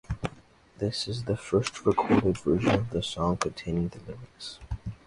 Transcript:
This is the first recorded version of the song containing the lyrics.